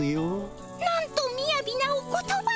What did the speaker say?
なんとみやびなお言葉。